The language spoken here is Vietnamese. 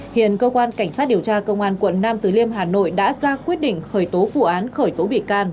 hiện cơ quan cảnh sát điều tra công an quận nam từ liêm hà nội đã ra quyết định khởi tố vụ án khởi tố bị can